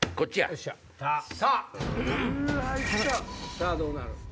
さぁどうなる？